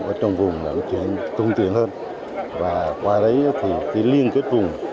ở trong vùng nó chuyển tương tiện hơn và qua đấy thì cái liên kết vùng